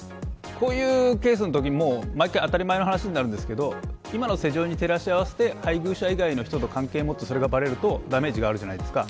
こういうケースのとき毎回当たり前の話ですが今の世情に照らし合わせて配偶者以外の人と関係があるとダメージがあるじゃないですか。